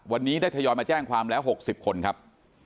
วันนี้ลักษณ์ยอร์มาแจ้งความแร้หกสิบคนครับ